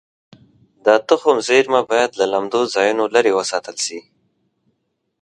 د تخم زېرمه باید له لمدو ځایونو لرې وساتل شي.